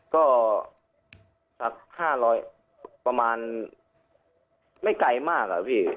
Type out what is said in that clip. ก็สัก๕๐๐ประมาณไม่ไกลมากอะพี่